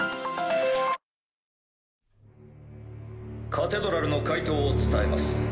カテドラルの回答を伝えます。